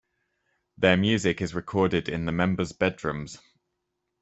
Their music is recorded in the members' bedrooms.